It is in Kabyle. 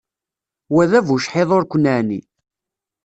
Wa d abucḥiḍ ur ken-neɛni.